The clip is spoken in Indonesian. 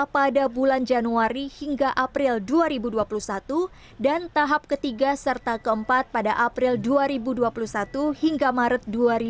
pada bulan januari hingga april dua ribu dua puluh satu dan tahap ketiga serta keempat pada april dua ribu dua puluh satu hingga maret dua ribu dua puluh